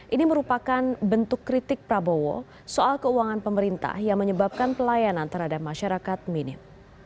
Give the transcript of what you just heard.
ini merupakan bentuk kritik prabowo soal keuangan pemerintah yang menyebabkan pelayanan terhadap masyarakat minim